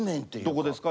どこですか？